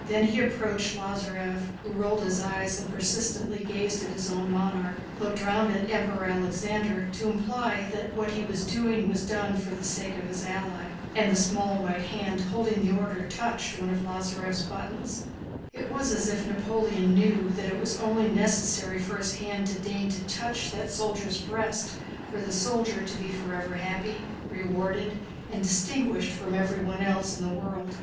Then he approached Lázarev (who rolled his eyes and persistently gazed at his own monarch), looked round at the Emperor Alexander to imply that what he was now doing was done for the sake of his ally, and the small white hand holding the Order touched one of Lázarev's buttons. It was as if Napoleon knew that it was only necessary for his hand to deign to touch that soldier's breast for the soldier to be forever happy, rewarded, and distinguished from everyone else in the world.